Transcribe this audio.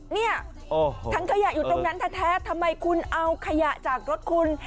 เนี่ยถังขยะอยู่ตรงนั้นแท้ทำไมคุณเอาขยะจากรถคุณ